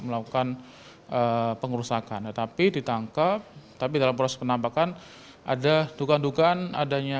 melakukan pengurus akan tetapi ditangkap tapi dalam proses penampakan ada tukang tukang adanya